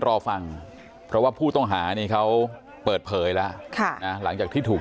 รอฟังเพราะว่าผู้ต้องหานี่เขาเปิดเผยแล้วหลังจากที่ถูก